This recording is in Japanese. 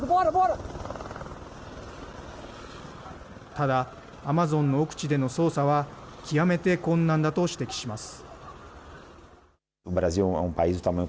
ただ、アマゾンの奥地での捜査は極めて困難だと指摘します。